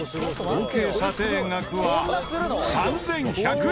合計査定額は３１００円。